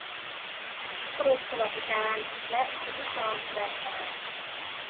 กรมสวัสดิการและคุ้มครองแรงงาน